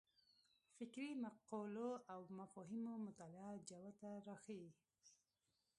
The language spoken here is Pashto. فکري مقولو او مفاهیمو مطالعه جوته راښيي.